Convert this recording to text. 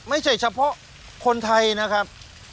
ไม่ใช่เฉพาะคนไทยนะครับ